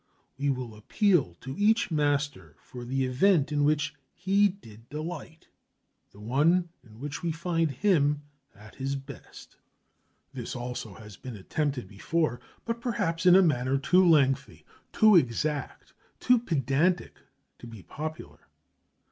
We will appeal to each master for the event in which he did delight, the one in which we find him at his best. This also has been attempted before, but perhaps in a manner too lengthy, too exact, too pedantic to be popular.